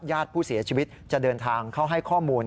ญาติผู้เสียชีวิตจะเดินทางเข้าให้ข้อมูล